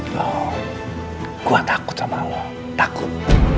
lo gue takut sama lo takut